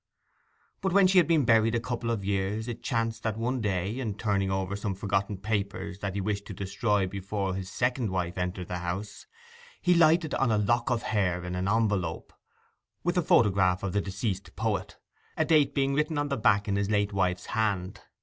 But when she had been buried a couple of years it chanced one day that, in turning over some forgotten papers that he wished to destroy before his second wife entered the house, he lighted on a lock of hair in an envelope, with the photograph of the deceased poet, a date being written on the back in his late wife's hand.